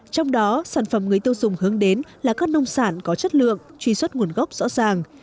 trong đó sản phẩm người tiêu dùng hướng đến là các nông sản có chất lượng truy xuất nguồn gốc rõ ràng